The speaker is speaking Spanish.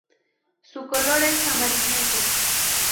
Su color es amarillento.